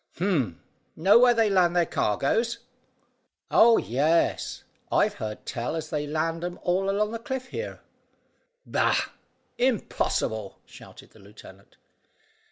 "Humph! Know where they land their cargoes?" "Oh, yes; I've heard tell as they land 'em all along the cliff here." "Bah! Impossible," shouted the lieutenant.